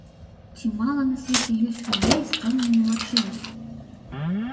Ці мала на свеце ёсць людзей з цёмнымі вачыма?